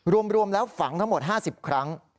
รวมแล้วฝังทั้งหมด๕๐ครั้ง